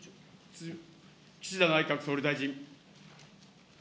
岸田内閣総理大臣。